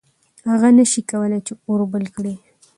هغه نه شي کولی چې اور بل کړي.